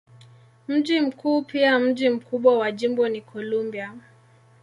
Mji mkuu pia mji mkubwa wa jimbo ni Columbia.